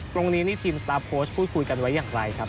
ตรงนี้นี่ทีมสตาร์ฟโค้ชพูดคุยกันไว้อย่างไรครับ